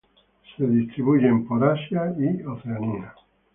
Se distribuyen todos los Asia y Oceanía.